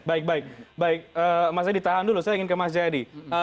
baik baik mas edi tahan dulu saya ingin ke mas jaya di